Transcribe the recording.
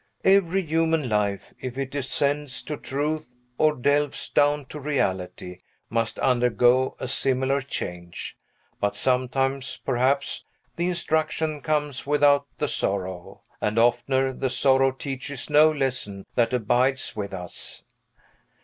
Every human life, if it ascends to truth or delves down to reality, must undergo a similar change; but sometimes, perhaps, the instruction comes without the sorrow; and oftener the sorrow teaches no lesson that abides with us.